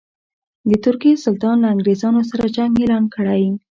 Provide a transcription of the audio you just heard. د ترکیې سلطان له انګرېزانو سره جنګ اعلان کړی.